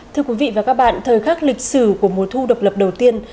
thưa quý vị và các bạn thời khắc lịch sử của mùa thu độc lập đầu tiên